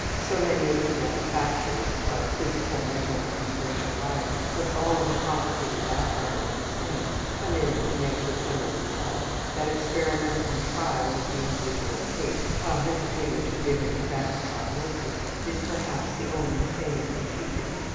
So many incidental factors of physical, mental, and social life, with all of the complicated background of the same, come in to make the total result, that experiment and trial with the individual case, while hesitating to give an exact prognosis, is perhaps the only sane procedure.